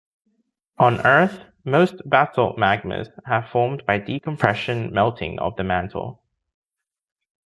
On Earth, most basalt magmas have formed by decompression melting of the mantle.